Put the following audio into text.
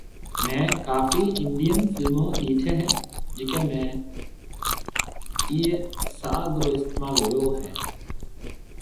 مينھ ڪافي انڊين فلمون ڏيٺي ھيَََ جڪي ۾ بِي ايئي ساز رو استعمال ھوئو ھيَََ